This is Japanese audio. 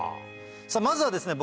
さぁまずはですね